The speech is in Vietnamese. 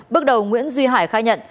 bước đầu nguyễn duy hải khai nhận